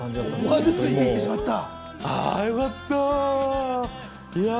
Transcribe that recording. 思わずついていってしまったいやー